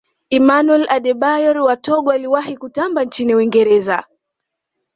emmanuel adebayor wa togo aliwahi kutamba nchini uingereza